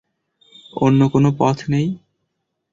অন্য কোন পথ নেই?